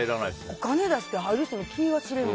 お金出して入る人の気がしれない。